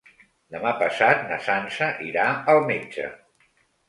Demà passat na Sança irà al metge.